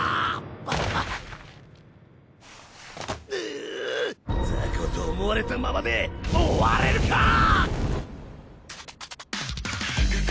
くぅ雑魚と思われたままで終われるかぁ！